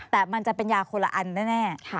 แต่มันจะเป็นยาคนละอันแน่